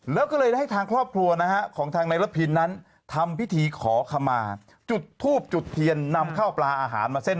แล้วก็เลยให้ทางครอบครัวนะฮะของทางนายรับพินทร์นั้น